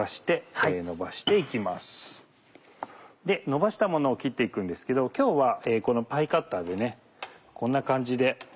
のばしたものを切って行くんですけど今日はこのパイカッターでこんな感じで。